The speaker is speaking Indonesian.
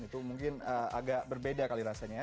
itu mungkin agak berbeda kali rasanya